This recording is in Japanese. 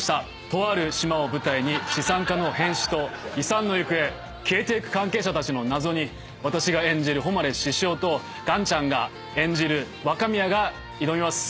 とある島を舞台に資産家の変死と遺産の行方消えていく関係者たちの謎に私が演じる誉獅子雄と岩ちゃんが演じる若宮が挑みます。